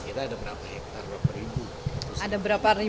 nah kita ada berapa hektare